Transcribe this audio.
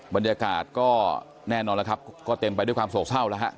บรรยากาศก็แน่นอนแล้วครับก็เต็มไปด้วยความโศกเศร้าแล้วฮะ